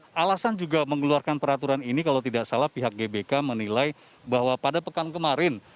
ada alasan juga mengeluarkan peraturan ini kalau tidak salah pihak gbk menilai bahwa pada pekan kemarin